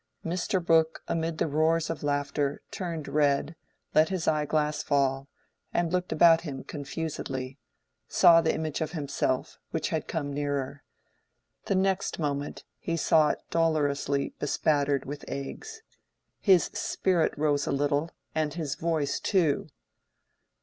Mr. Brooke, amid the roars of laughter, turned red, let his eye glass fall, and looking about him confusedly, saw the image of himself, which had come nearer. The next moment he saw it dolorously bespattered with eggs. His spirit rose a little, and his voice too.